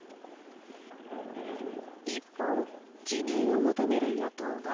一方、辞任を求める野党側。